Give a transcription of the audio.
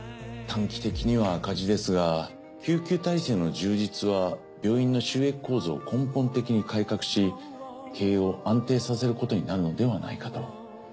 短期的には赤字ですが救急体制の充実は病院の収益構造を根本的に改革し経営を安定させることになるのではないかと。